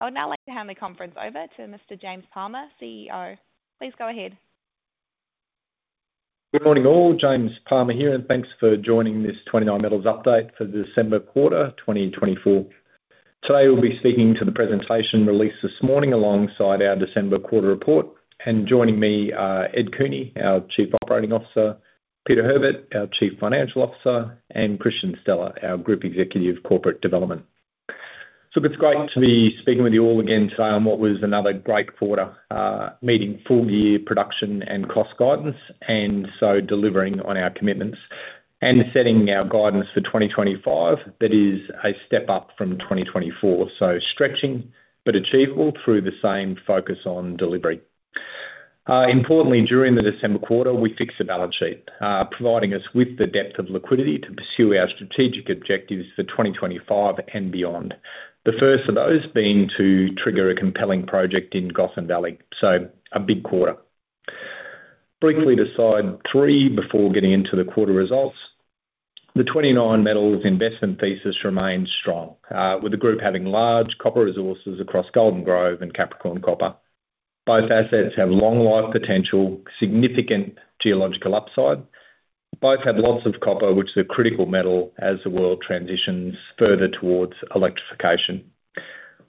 I would now like to hand the conference over to Mr. James Palmer, CEO. Please go ahead. Good morning all. James Palmer here, and thanks for joining this 29Metals update for the December quarter 2024. Today we'll be speaking to the presentation released this morning alongside our December quarter report. And joining me are Ed Cooney, our Chief Operating Officer, Peter Herbert, our Chief Financial Officer, and Kristian Stella, our Group Executive Corporate Development. So it's great to be speaking with you all again today on what was another great quarter meeting: full-year production and cost guidance, and so delivering on our commitments and setting our guidance for 2025 that is a step up from 2024. So stretching but achievable through the same focus on delivery. Importantly, during the December quarter, we fixed the balance sheet, providing us with the depth of liquidity to pursue our strategic objectives for 2025 and beyond. The first of those being to trigger a compelling project in Gossan Valley. So a big quarter. Briefly to slide three before getting into the quarter results, the 29Metals investment thesis remains strong, with the group having large copper resources across Golden Grove and Capricorn Copper. Both assets have long-life potential, significant geological upside. Both have lots of copper, which is a critical metal as the world transitions further towards electrification.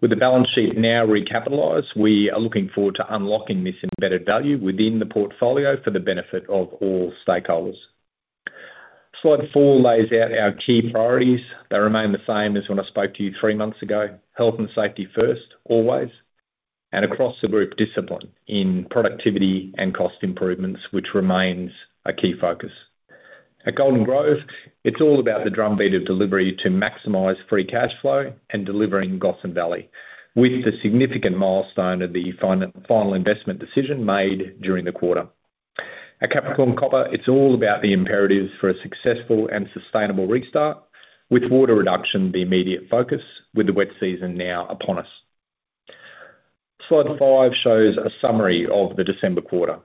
With the balance sheet now recapitalized, we are looking forward to unlocking this embedded value within the portfolio for the benefit of all stakeholders. Slide four lays out our key priorities that remain the same as when I spoke to you three months ago: health and safety first, always, and across the group discipline in productivity and cost improvements, which remains a key focus. At Golden Grove, it's all about the drumbeat of delivery to maximize free cash flow and delivering Gossan Valley with the significant milestone of the final investment decision made during the quarter. At Capricorn Copper, it's all about the imperatives for a successful and sustainable restart, with water reduction the immediate focus, with the wet season now upon us. Slide five shows a summary of the December quarter.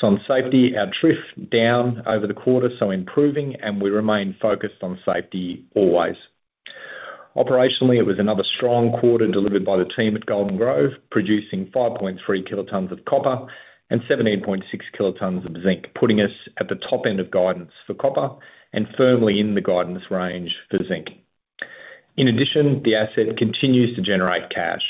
So on safety, our TRIF down over the quarter, so improving, and we remain focused on safety always. Operationally, it was another strong quarter delivered by the team at Golden Grove, producing 5.3 kilotonnes of copper and 17.6 kilotonnes of zinc, putting us at the top end of guidance for copper and firmly in the guidance range for zinc. In addition, the asset continues to generate cash,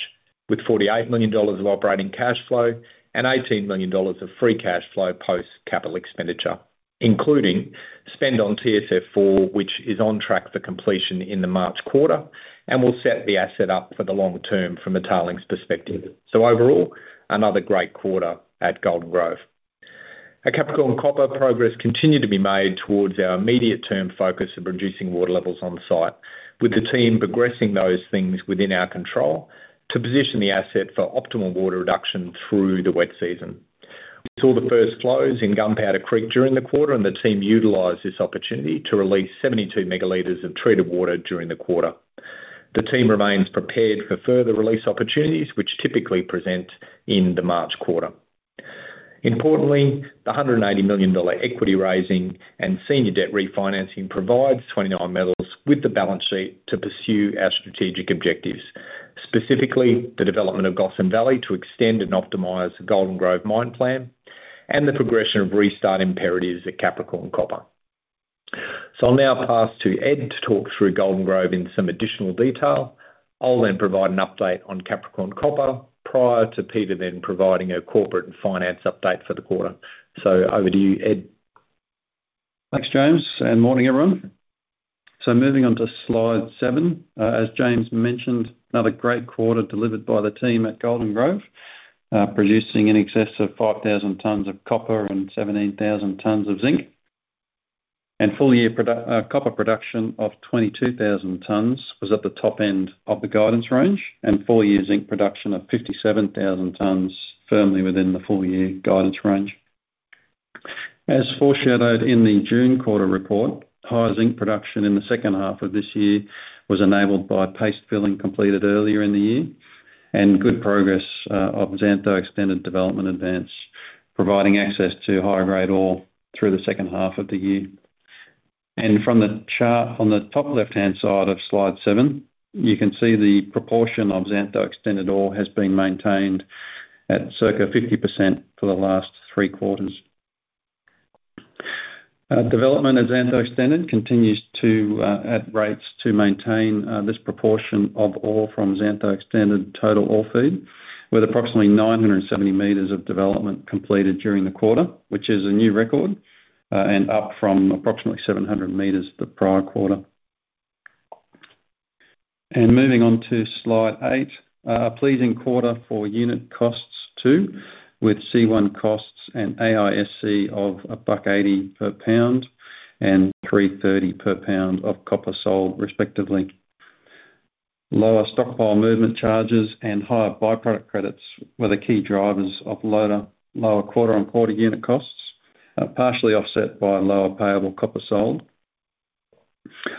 with $48 million of operating cash flow and $18 million of free cash flow post-capital expenditure, including spend on TSF4, which is on track for completion in the March quarter and will set the asset up for the long term from a tailings perspective. So overall, another great quarter at Golden Grove. At Capricorn Copper, progress continued to be made towards our immediate-term focus of reducing water levels on site, with the team progressing those things within our control to position the asset for optimal water reduction through the wet season. We saw the first flows in Gunpowder Creek during the quarter, and the team utilized this opportunity to release 72 megaliters of treated water during the quarter. The team remains prepared for further release opportunities, which typically present in the March quarter. Importantly, the 180 million dollar equity raising and senior debt refinancing provides 29Metals with the balance sheet to pursue our strategic objectives, specifically the development of Gossan Valley to extend and optimize the Golden Grove mine plan and the progression of restart imperatives at Capricorn Copper. So I'll now pass to Ed to talk through Golden Grove in some additional detail. I'll then provide an update on Capricorn Copper prior to Peter then providing a corporate finance update for the quarter. So over to you, Ed. Thanks, James, and good morning, everyone. Moving on to slide seven, as James mentioned, another great quarter delivered by the team at Golden Grove, producing in excess of 5,000 tonnes of copper and 17,000 tonnes of zinc. Full-year copper production of 22,000 tonnes was at the top end of the guidance range, and full-year zinc production of 57,000 tonnes firmly within the full-year guidance range. As foreshadowed in the June quarter report, high zinc production in the second half of this year was enabled by paste filling completed earlier in the year and good progress of Xantho Extended development advance, providing access to high-grade ore through the second half of the year. From the chart on the top left-hand side of slide seven, you can see the proportion of Xantho Extended ore has been maintained at circa 50% for the last three quarters. Development of Xantho Extended continues at rates to maintain this proportion of ore from Xantho Extended total ore feed, with approximately 970 meters of development completed during the quarter, which is a new record and up from approximately 700 meters the prior quarter. Moving on to slide eight, a pleasing quarter for unit costs too, with C1 costs and AISC of $1.80 per pound and $3.30 per pound of copper sold, respectively. Lower stockpile movement charges and higher byproduct credits were the key drivers of lower quarter and quarter unit costs, partially offset by lower payable copper sold.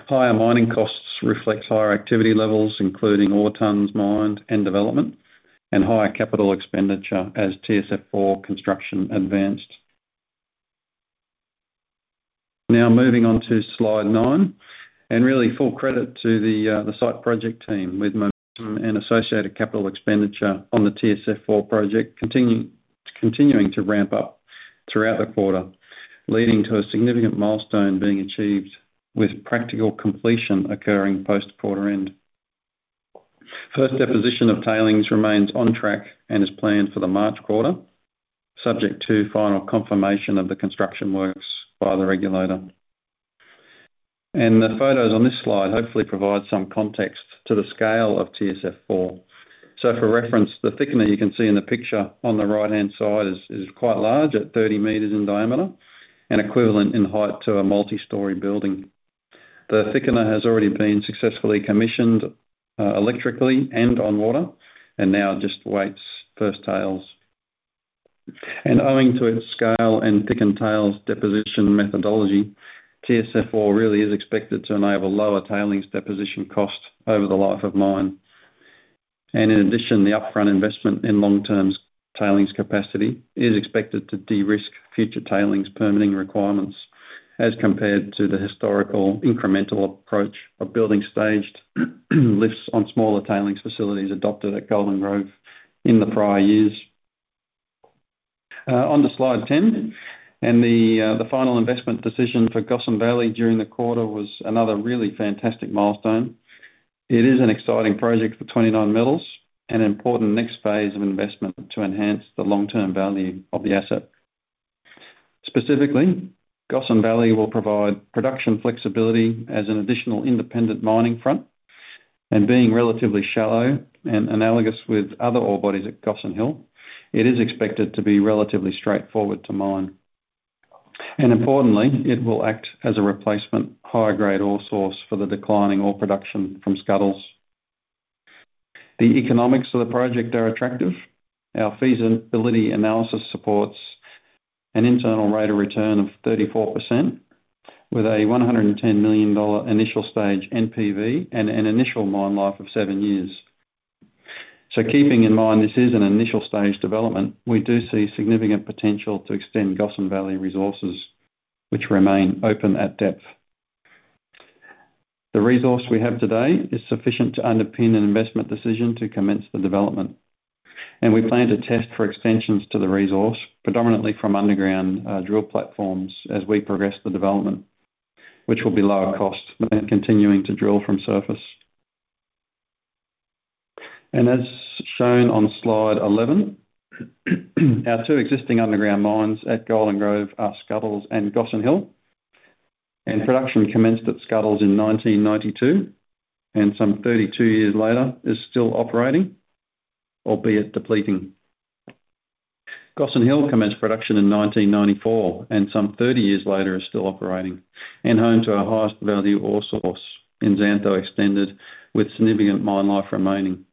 Higher mining costs reflect higher activity levels, including all tons mined and development and higher capital expenditure as TSF4 construction advanced. Now moving on to slide nine, and really full credit to the site project team with momentum and associated capital expenditure on the TSF4 project continuing to ramp up throughout the quarter, leading to a significant milestone being achieved with practical completion occurring post-quarter end. First deposition of tailings remains on track and is planned for the March quarter, subject to final confirmation of the construction works by the regulator. And the photos on this slide hopefully provide some context to the scale of TSF4. So for reference, the thickener you can see in the picture on the right-hand side is quite large at 30 meters in diameter and equivalent in height to a multi-story building. The thickener has already been successfully commissioned electrically and on water and now just waits for its tails. And owing to its scale and thickened tails deposition methodology, TSF4 really is expected to enable lower tailings deposition cost over the life of mine. And in addition, the upfront investment in long-term tailings capacity is expected to de-risk future tailings permitting requirements as compared to the historical incremental approach of building staged lifts on smaller tailings facilities adopted at Golden Grove in the prior years. Onto slide 10, and the final investment decision for Gossan Valley during the quarter was another really fantastic milestone. It is an exciting project for 29Metals and an important next phase of investment to enhance the long-term value of the asset. Specifically, Gossan Valley will provide production flexibility as an additional independent mining front. And being relatively shallow and analogous with other ore bodies at Gossan Hill, it is expected to be relatively straightforward to mine. Importantly, it will act as a replacement high-grade ore source for the declining ore production from Scuddles. The economics of the project are attractive. Our feasibility analysis supports an internal rate of return of 34% with a $110 million initial stage NPV and an initial mine life of seven years. Keeping in mind this is an initial stage development, we do see significant potential to extend Gossan Valley resources, which remain open at depth. The resource we have today is sufficient to underpin an investment decision to commence the development. We plan to test for extensions to the resource, predominantly from underground drill platforms as we progress the development, which will be lower cost than continuing to drill from surface. As shown on slide 11, our two existing underground mines at Golden Grove are Scuddles and Gossan Hill. And production commenced at Scuddles in 1992, and some 32 years later is still operating, albeit depleting. Gossan Hill commenced production in 1994, and some 30 years later is still operating and home to our highest value ore source in Xantho Extended with significant mine life remaining.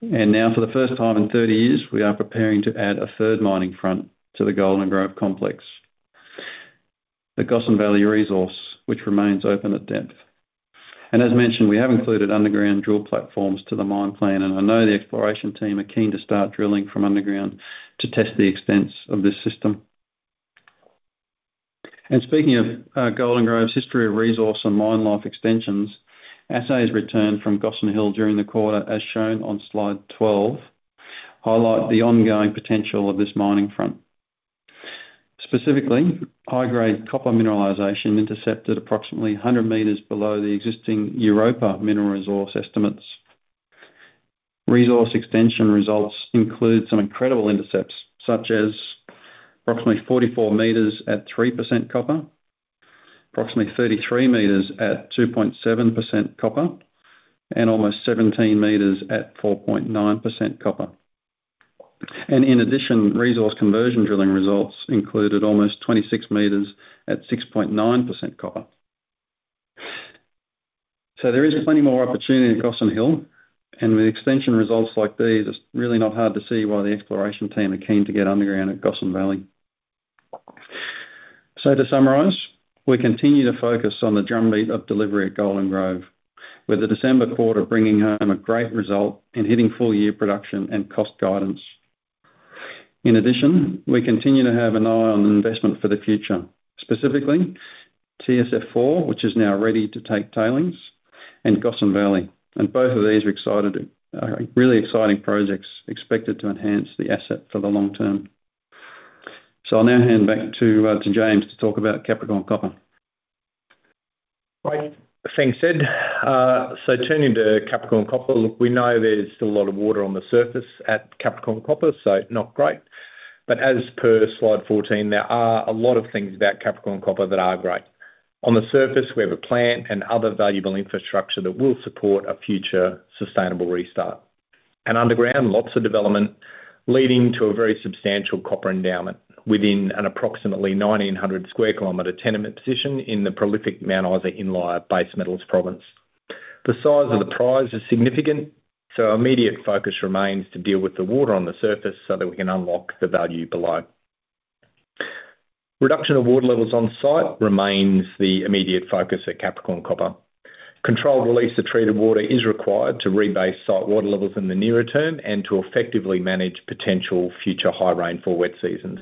And now, for the first time in 30 years, we are preparing to add a third mining front to the Golden Grove complex, the Gossan Valley resource, which remains open at depth. And as mentioned, we have included underground drill platforms to the mine plan, and I know the exploration team are keen to start drilling from underground to test the extents of this system. And speaking of Golden Grove's history of resource and mine life extensions, assays returned from Gossan Hill during the quarter, as shown on slide 12, highlight the ongoing potential of this mining front. Specifically, high-grade copper mineralization intercepted approximately 100 meters below the existing Europa mineral resource estimates. Resource extension results include some incredible intercepts, such as approximately 44 meters at 3% copper, approximately 33 meters at 2.7% copper, and almost 17 meters at 4.9% copper, and in addition, resource conversion drilling results included almost 26 meters at 6.9% copper, so there is plenty more opportunity at Gossan Hill, and with extension results like these, it's really not hard to see why the exploration team are keen to get underground at Gossan Valley, so to summarise, we continue to focus on the drumbeat of delivery at Golden Grove, with the December quarter bringing home a great result and hitting full-year production and cost guidance. In addition, we continue to have an eye on investment for the future, specifically TSF4, which is now ready to take tailings, and Gossan Valley. Both of these are really exciting projects expected to enhance the asset for the long term. I'll now hand back to James to talk about Capricorn Copper. Right. Thanks, Ed, so turning to Capricorn Copper, look, we know there's still a lot of water on the surface at Capricorn Copper, so not great, but as per slide 14, there are a lot of things about Capricorn Copper that are great. On the surface, we have a plant and other valuable infrastructure that will support a future sustainable restart, and underground, lots of development leading to a very substantial copper endowment within an approximately 1,900 sq km tenement position in the prolific Mount Isa Inlier of base metals province. The size of the prize is significant, so our immediate focus remains to deal with the water on the surface so that we can unlock the value below. Reduction of water levels on site remains the immediate focus at Capricorn Copper. Controlled release of treated water is required to rebase site water levels in the nearer term and to effectively manage potential future high rainfall wet seasons.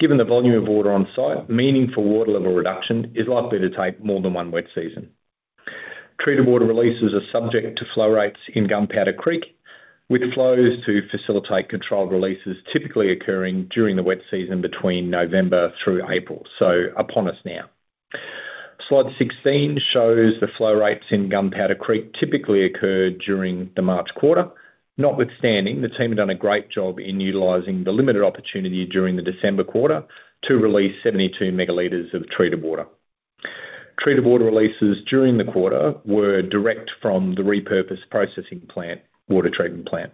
Given the volume of water on site, meaningful water level reduction is likely to take more than one wet season. Treated water releases are subject to flow rates in Gunpowder Creek, with flows to facilitate controlled releases typically occurring during the wet season between November through April, so upon us now. Slide 16 shows the flow rates in Gunpowder Creek typically occur during the March quarter. Notwithstanding, the team have done a great job in utilizing the limited opportunity during the December quarter to release 72 megaliters of treated water. Treated water releases during the quarter were direct from the repurposed processing plant water treatment plant.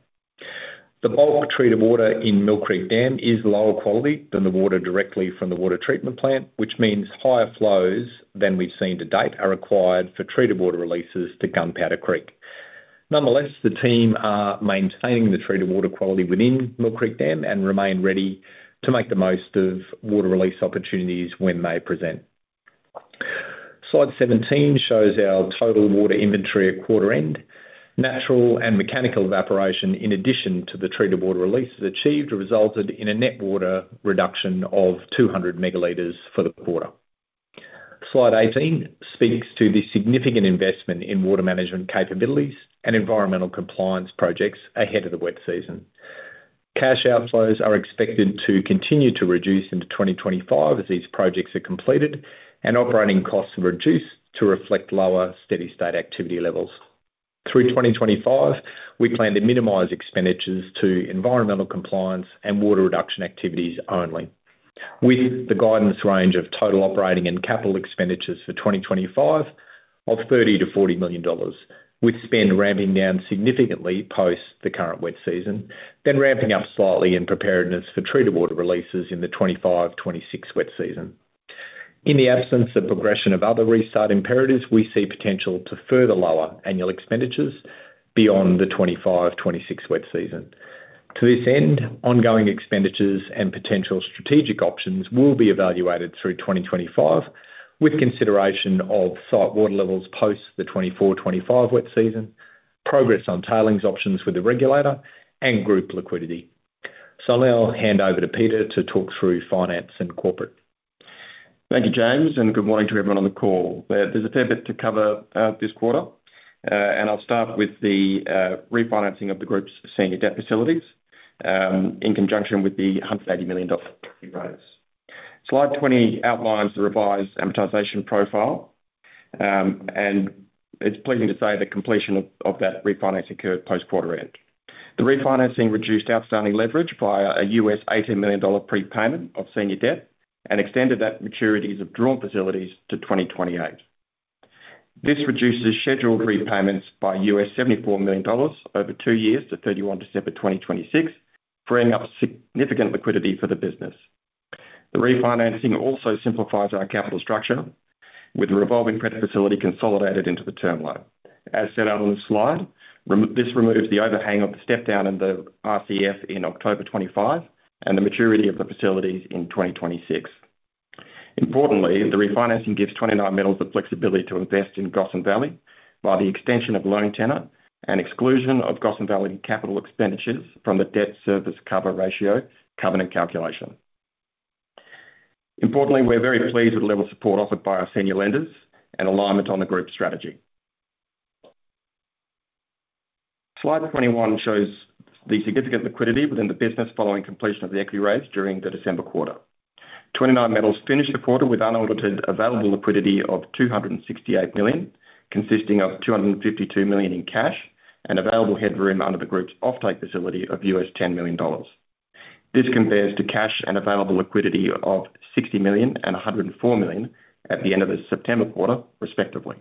The bulk treated water in Mill Creek Dam is lower quality than the water directly from the water treatment plant, which means higher flows than we've seen to date are required for treated water releases to Gunpowder Creek. Nonetheless, the team are maintaining the treated water quality within Mill Creek Dam and remain ready to make the most of water release opportunities when they present. Slide 17 shows our total water inventory at quarter end. Natural and mechanical evaporation, in addition to the treated water releases achieved, resulted in a net water reduction of 200 megaliters for the quarter. Slide 18 speaks to the significant investment in water management capabilities and environmental compliance projects ahead of the wet season. Cash outflows are expected to continue to reduce into 2025 as these projects are completed, and operating costs reduce to reflect lower steady-state activity levels. Through 2025, we plan to minimize expenditures to environmental compliance and water reduction activities only, with the guidance range of total operating and capital expenditures for 2025 of 30-40 million dollars, with spend ramping down significantly post the current wet season, then ramping up slightly in preparedness for treated water releases in the 2025-2026 wet season. In the absence of progression of other restart imperatives, we see potential to further lower annual expenditures beyond the 2025-2026 wet season. To this end, ongoing expenditures and potential strategic options will be evaluated through 2025, with consideration of site water levels post the 2024-2025 wet season, progress on tailings options with the regulator, and group liquidity. So I'll now hand over to Peter to talk through finance and corporate. Thank you, James, and good morning to everyone on the call. There's a fair bit to cover this quarter, and I'll start with the refinancing of the group's senior debt facilities in conjunction with the $180 million raise. Slide 20 outlines the revised amortization profile, and it's pleasing to say the completion of that refinancing occurred post-quarter end. The refinancing reduced outstanding leverage by a U.S. $18 million prepayment of senior debt and extended that maturity's drawdown facilities to 2028. This reduces scheduled repayments by U.S. $74 million over two years to 31 December 2026, freeing up significant liquidity for the business. The refinancing also simplifies our capital structure with a revolving credit facility consolidated into the term loan. As set out on this slide, this removes the overhang of the step-down in the RCF in October 2025 and the maturity of the facilities in 2026. Importantly, the refinancing gives 29Metals the flexibility to invest in Gossan Valley by the extension of loan tenor and exclusion of Gossan Valley capital expenditures from the debt service cover ratio covenant calculation. Importantly, we're very pleased with the level of support offered by our senior lenders and alignment on the group strategy. Slide 21 shows the significant liquidity within the business following completion of the equity raise during the December quarter. 29Metals finished the quarter with unaudited available liquidity of 268 million, consisting of 252 million in cash and available headroom under the group's offtake facility of $10 million. This compares to cash and available liquidity of 60 million and 104 million at the end of the September quarter, respectively.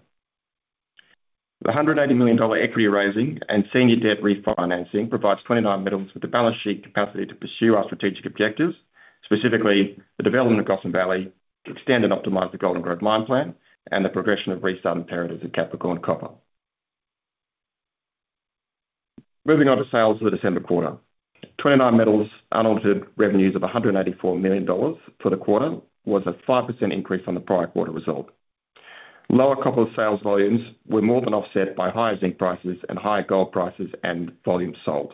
The 180 million dollar equity raising and senior debt refinancing provides 29Metals with the balance sheet capacity to pursue our strategic objectives, specifically the development of Gossan Valley, extend and optimize the Golden Grove mine plan, and the progression of restart imperatives at Capricorn Copper. Moving on to sales for the December quarter, 29Metals' unaudited revenues of 184 million dollars for the quarter was a 5% increase on the prior quarter result. Lower copper sales volumes were more than offset by higher zinc prices and higher gold prices and volumes sold.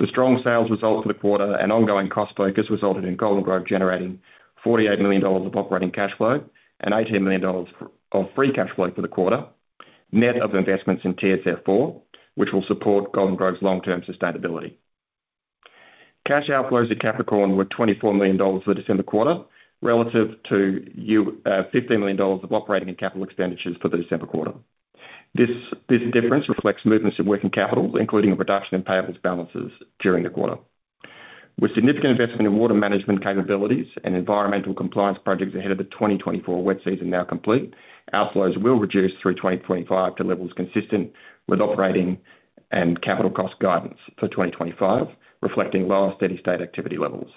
The strong sales result for the quarter and ongoing cost focus resulted in Golden Grove generating 48 million dollars of operating cash flow and 18 million dollars of free cash flow for the quarter, net of investments in TSF4, which will support Golden Grove's long-term sustainability. Cash outflows at Capricorn were 24 million dollars for the December quarter relative to 15 million dollars of operating and capital expenditures for the December quarter. This difference reflects movements of working capital, including a reduction in payables balances during the quarter. With significant investment in water management capabilities and environmental compliance projects ahead of the 2024 wet season now complete, outflows will reduce through 2025 to levels consistent with operating and capital cost guidance for 2025, reflecting lower steady-state activity levels.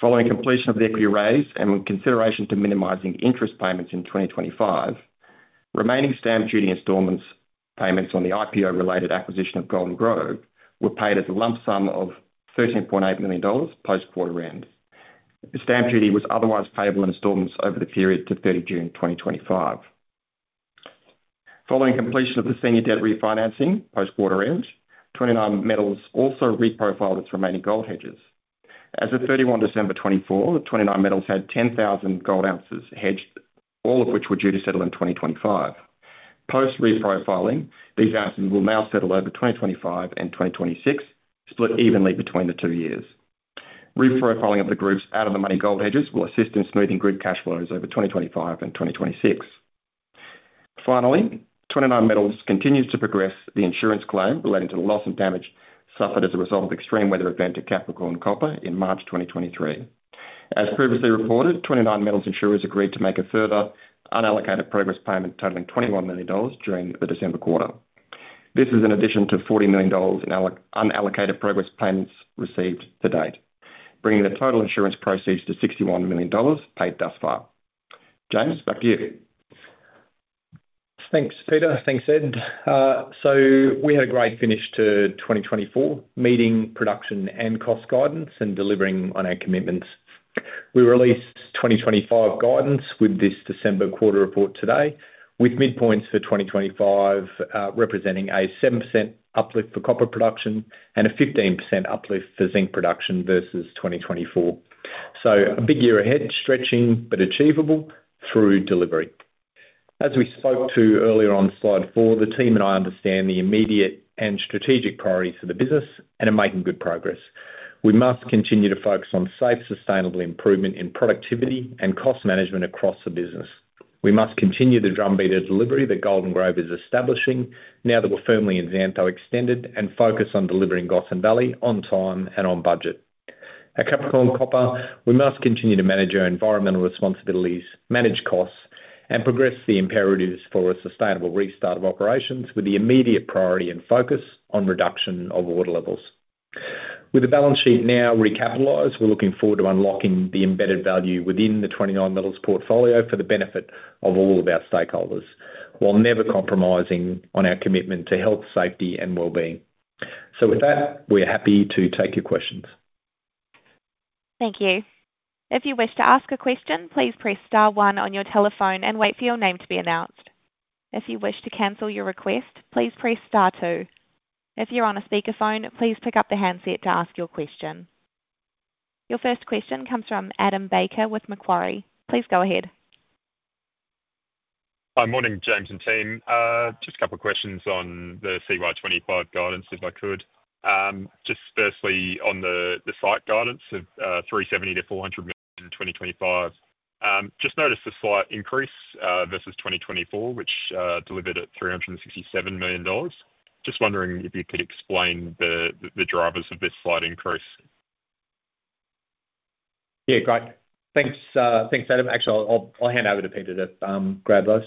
Following completion of the equity raise and with consideration to minimizing interest payments in 2025, remaining stamp duty installments payments on the IPO-related acquisition of Golden Grove were paid as a lump sum of 13.8 million dollars post-quarter end. The stamp duty was otherwise payable in installments over the period to 30 June 2025. Following completion of the senior debt refinancing post-quarter end, 29Metals also reprofiled its remaining gold hedges. As of 31 December 2024, 29Metals had 10,000 gold ounces hedged, all of which were due to settle in 2025. Post-reprofiling, these ounces will now settle over 2025 and 2026, split evenly between the two years. Reprofiling of the group's out-of-the-money gold hedges will assist in smoothing group cash flows over 2025 and 2026. Finally, 29Metals continues to progress the insurance claim relating to the loss and damage suffered as a result of extreme weather event at Capricorn Copper in March 2023. As previously reported, 29Metals' insurers agreed to make a further unallocated progress payment totaling $21 million during the December quarter. This is in addition to $40 million in unallocated progress payments received to date, bringing the total insurance proceeds to $61 million paid thus far. James, back to you. Thanks, Peter. Thanks, Ed. So we had a great finish to 2024, meeting production and cost guidance and delivering on our commitments. We released 2025 guidance with this December quarter report today, with midpoints for 2025 representing a 7% uplift for copper production and a 15% uplift for zinc production versus 2024. So a big year ahead, stretching but achievable through delivery. As we spoke to earlier on slide 4, the team and I understand the immediate and strategic priorities for the business and are making good progress. We must continue to focus on safe, sustainable improvement in productivity and cost management across the business. We must continue the drumbeat of delivery that Golden Grove is establishing now that we're firmly in Xantho Extended and focus on delivering Gossan Valley on time and on budget. At Capricorn Copper, we must continue to manage our environmental responsibilities, manage costs, and progress the imperatives for a sustainable restart of operations with the immediate priority and focus on reduction of water levels. With the balance sheet now recapitalized, we're looking forward to unlocking the embedded value within the 29Metals portfolio for the benefit of all of our stakeholders, while never compromising on our commitment to health, safety, and well-being. With that, we're happy to take your questions. Thank you. If you wish to ask a question, please press star one on your telephone and wait for your name to be announced. If you wish to cancel your request, please press star two. If you're on a speakerphone, please pick up the handset to ask your question. Your first question comes from Adam Baker with Macquarie. Please go ahead. Hi, morning, James and team. Just a couple of questions on the CY 2025 guidance, if I could. Just firstly, on the site guidance of $370 million-$400 million in 2025, just noticed a slight increase versus 2024, which delivered at $367 million. Just wondering if you could explain the drivers of this slight increase? Yeah, great. Thanks, Adam. Actually, I'll hand over to Peter to grab those.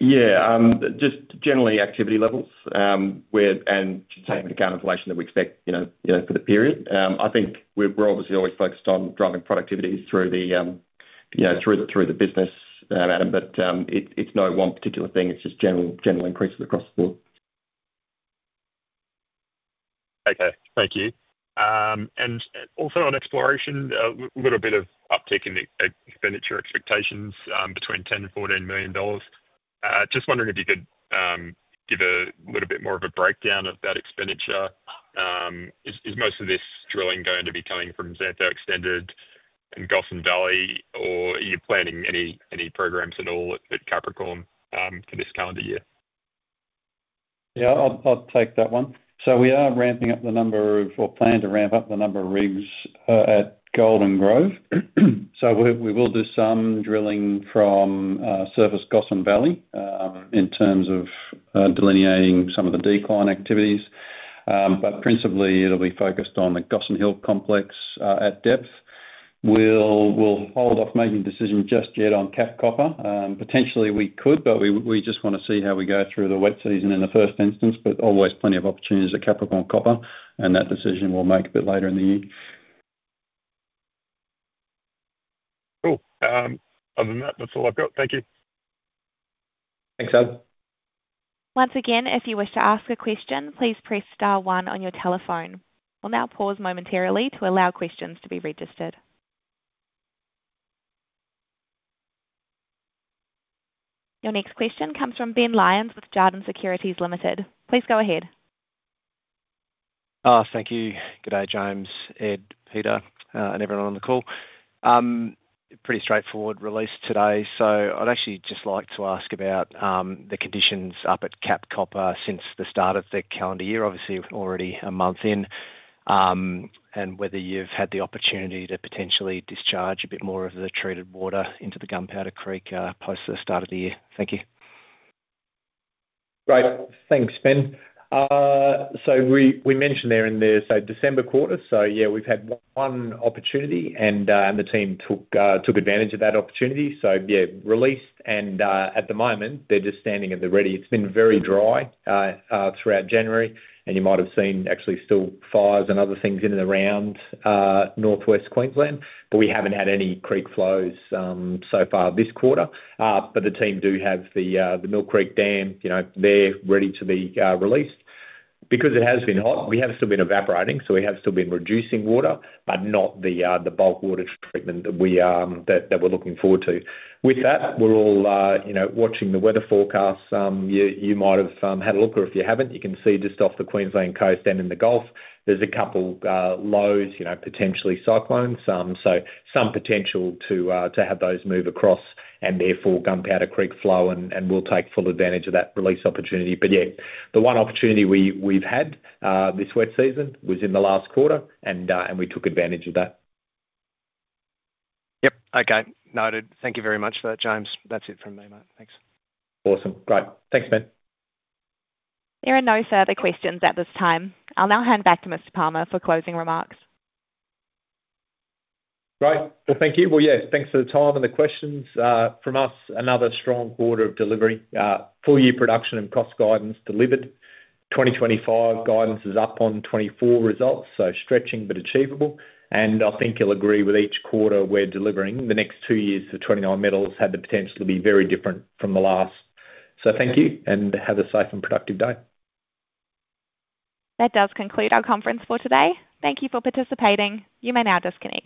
Yeah, just generally activity levels and just taking into account inflation that we expect for the period. I think we're obviously always focused on driving productivity through the business, Adam, but it's no one particular thing. It's just general increases across the board. Okay, thank you. And also on exploration, a little bit of uptick in expenditure expectations between $10 and $14 million. Just wondering if you could give a little bit more of a breakdown of that expenditure. Is most of this drilling going to be coming from Xantho Extended and Gossan Valley, or are you planning any programs at all at Capricorn for this calendar year? Yeah, I'll take that one. So we are planning to ramp up the number of rigs at Golden Grove. We will do some drilling from surface Gossan Valley in terms of delineating some of the decline activities. But principally, it'll be focused on the Gossan Hill complex at depth. We'll hold off making a decision just yet on Capricorn Copper. Potentially, we could, but we just want to see how we go through the wet season in the first instance. But always plenty of opportunities at Capricorn Copper, and that decision we'll make a bit later in the year. Cool. Other than that, that's all I've got. Thank you. Thanks, Adam. Once again, if you wish to ask a question, please press Star 1 on your telephone. We'll now pause momentarily to allow questions to be registered. Your next question comes from Ben Lyons with Jarden Securities Limited. Please go ahead. Thank you. Good day, James, Ed, Peter, and everyone on the call. Pretty straightforward release today, so I'd actually just like to ask about the conditions up at Capricorn Copper since the start of the calendar year, obviously already a month in, and whether you've had the opportunity to potentially discharge a bit more of the treated water into the Gunpowder Creek post the start of the year? Thank you. Great. Thanks, Ben. So we mentioned there in there, so December quarter. So yeah, we've had one opportunity, and the team took advantage of that opportunity. So yeah, released. And at the moment, they're just standing at the ready. It's been very dry throughout January, and you might have seen actually still fires and other things in and around Northwest Queensland, but we haven't had any creek flows so far this quarter. But the team do have the Mill Creek Dam. They're ready to be released. Because it has been hot, we have still been evaporating, so we have still been reducing water, but not the bulk water treatment that we're looking forward to. With that, we're all watching the weather forecasts. You might have had a look, or if you haven't, you can see just off the Queensland coast and in the Gulf, there's a couple lows, potentially cyclones. So some potential to have those move across and therefore Gunpowder Creek flow, and we'll take full advantage of that release opportunity. But yeah, the one opportunity we've had this wet season was in the last quarter, and we took advantage of that. Yep, okay. Noted. Thank you very much for that, James. That's it from me, mate. Thanks. Awesome. Great. Thanks, Ben. There are no further questions at this time. I'll now hand back to Mr. Palmer for closing remarks. Great. Well, thank you. Yes, thanks for the time and the questions. From us, another strong quarter of delivery. Four-year production and cost guidance delivered. 2025 guidance is up on 2024 results, so stretching but achievable, and I think you'll agree with each quarter we're delivering. The next two years for 29Metals have the potential to be very different from the last, so thank you and have a safe and productive day. That does conclude our conference for today. Thank you for participating. You may now disconnect.